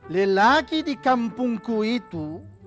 lelaki di kampungku itu